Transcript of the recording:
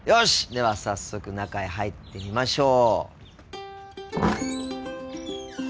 では早速中へ入ってみましょう。